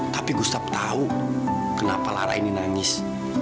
tapi gustaf tau kenapa lara ini nangis